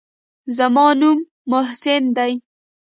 زما نوم محسن دى.